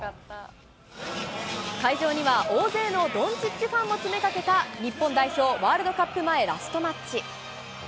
会場には大勢のドンチッチファンも詰めかけた日本代表、ワールドカップ前ラストマッチ。